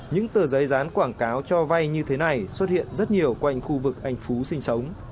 những tờ giấy dán quảng cáo cho vay như thế này xuất hiện rất nhiều quanh khu vực anh phú sinh sống